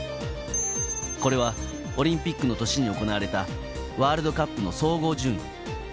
これはオリンピックの年に行われたワールドカップの総合順位。